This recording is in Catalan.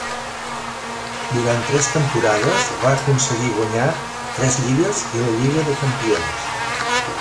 Durant tres temporades, va aconseguir guanyar tres lligues i la Lliga de Campions.